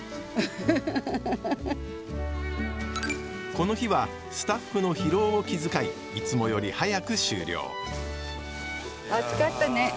この日はスタッフの疲労を気遣いいつもより早く終了暑かったね。